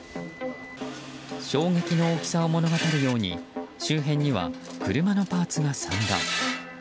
衝撃の大きさを物語るように周辺には車のパーツが散乱。